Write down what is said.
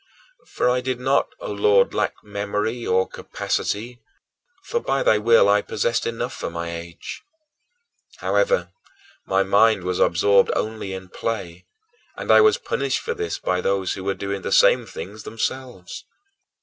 For I did not, O Lord, lack memory or capacity, for, by thy will, I possessed enough for my age. However, my mind was absorbed only in play, and I was punished for this by those who were doing the same things themselves.